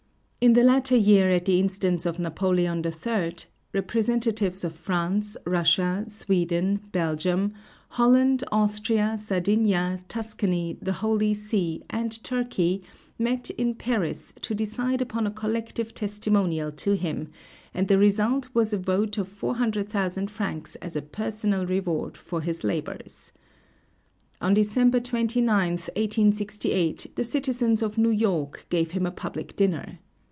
In the latter year, at the instance of Napoleon III, representatives of France, Russia, Sweden, Belgium, Holland, Austria, Sardinia, Tuscany, the Holy See, and Turkey met in Paris to decide upon a collective testimonial to him, and the result was a vote of 400,000 francs as a personal reward for his labors. On December 29th, 1868, the citizens of New York gave him a public dinner.